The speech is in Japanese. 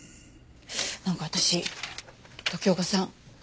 なんか私時岡さん